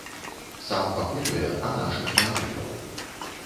Сам пакутуе, а нашых не выдаў.